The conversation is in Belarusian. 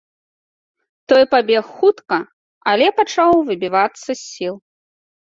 Той пабег хутка, але пачаў выбівацца з сіл.